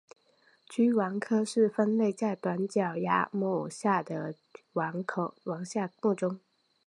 鹬虻科是分类在短角亚目下的虻下目中。